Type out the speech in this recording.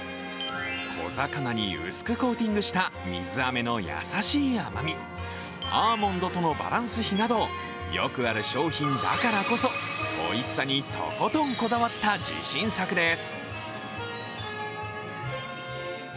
小魚に薄くコーティングした水あめの優しい甘み、アーモンドとのバランス比などよくある商品だからこそおいしさにとことんこだわった自信作です。